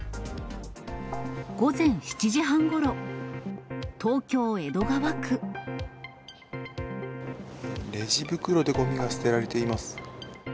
午前７時半ごろ、東京・江戸レジ袋でごみが捨てられています。